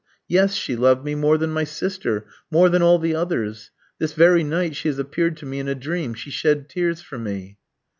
Yes, she loved me more than my sister, more than all the others. This very night she has appeared to me in a dream, she shed tears for me."